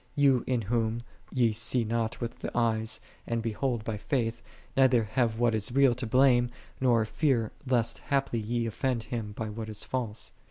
Ye n Him, Whom ye see not with the eyes, and behold by faith, neither have what is real to blame, nor fear lest haply ye offend Him by what is false.